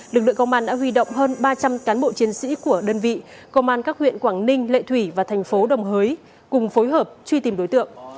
lực lượng công an đã huy động hơn ba trăm linh cán bộ chiến sĩ của đơn vị công an các huyện quảng ninh lệ thủy và thành phố đồng hới cùng phối hợp truy tìm đối tượng